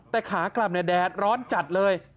แต่ขากลับเนี่ยแดดร้อนจัดเลย